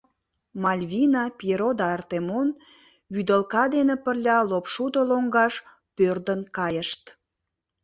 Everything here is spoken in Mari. Мальвина, Пьеро да Артемон вӱдылка дене пырля лопшудо лоҥгаш пӧрдын кайышт.